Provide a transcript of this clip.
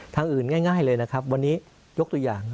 ทางอื่นง่ายเลยนะครับวันนี้ยกตัวอย่าง